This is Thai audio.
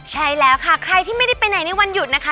ใช่แล้วค่ะใครที่ไม่ได้ไปไหนในวันหยุดนะคะ